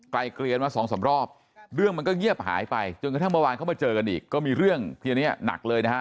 เกลียนมาสองสามรอบเรื่องมันก็เงียบหายไปจนกระทั่งเมื่อวานเขามาเจอกันอีกก็มีเรื่องที่อันนี้หนักเลยนะฮะ